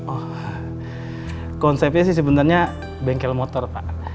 oh konsepnya sih sebenarnya bengkel motor pak